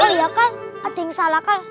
oh iya kan ada yang salah kan